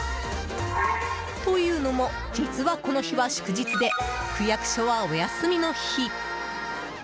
というのも、実はこの日は祝日で区役所はお休みの日。